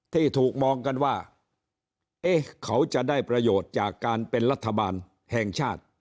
ที่ถูกมองกันว่าเอ๊ะเขาจะได้ประโยชน์จากการเป็นรัฐบาลแห่งชาติ